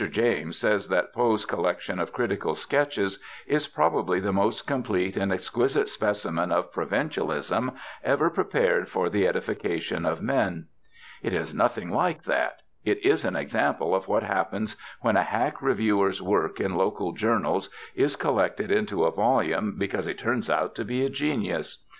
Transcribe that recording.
James says that Poe's collection of critical sketches "is probably the most complete and exquisite specimen of provincialism ever prepared for the edification of men." It is nothing like that. It is an example of what happens when a hack reviewer's work in local journals is collected into a volume because he turns out to be a genius.